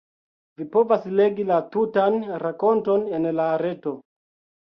Vi povas legi la tutan rakonton en la reto.